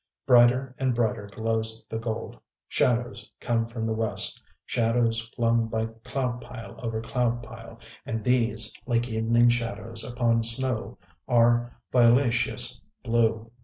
Brighter and brighter glows the gold. Shadows come from the west, shadows flung by cloud pile over cloud pile; and these, like evening shadows upon snow, are violaceous blue....